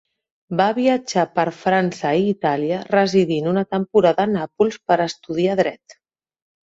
Va viatjar per França i Itàlia residint una temporada a Nàpols per estudiar Dret.